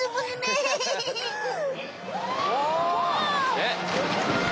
えっ？